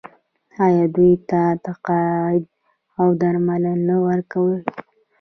آیا دوی ته تقاعد او درملنه نه ورکوي؟